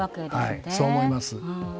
そう思います。